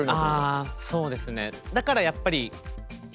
ああそうですね。